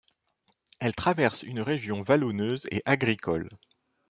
Elle traverse une région vallonneuse et agricole.